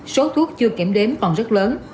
số thuốc chưa kiểm đếm còn rất lớn